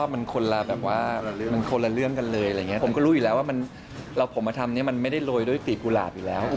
มันคนละเรื่องกันเลยผมก็รู้อยู่แล้วเรากลับมาทำมันไม่ได้โรยโดยตรีกฏฬอยู่แล้ว